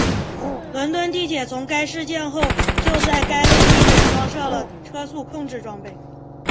伦敦地铁从该事件后就在该类地点装设了车速控制装备。